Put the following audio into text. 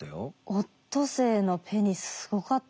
オットセイのペニスすごかった。